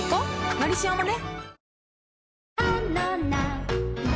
「のりしお」もね